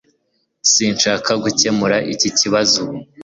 Sinshaka gukemura iki kibazo ubu